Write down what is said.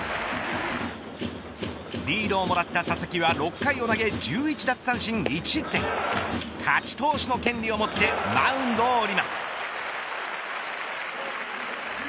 リードをもらった佐々木は６回を投げ１１奪三振１失点勝ち投手の権利を持ってマウンドを降ります。